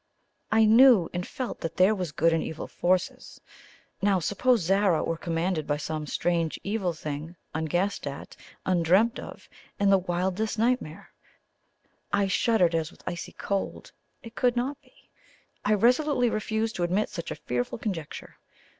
I knew and felt that there were good and evil forces. Now, suppose Zara were commanded by some strange evil thing, unguessed at, undreamt of in the wildest night mare? I shuddered as with icy cold. It could not be. I resolutely refused to admit such a fearful conjecture.